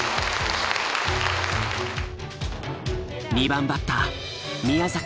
２番バッター宮崎